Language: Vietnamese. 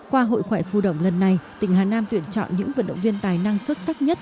qua hội khỏe phu động lần này tỉnh hà nam tuyển chọn những vận động viên tài năng xuất sắc nhất